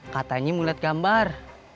katanya mau liat gambar